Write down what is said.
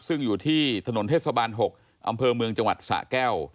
ซึ่งอยู่ที่ถนนเทศบาล๖อำเภอเมืองจังหวัดสะแก้ว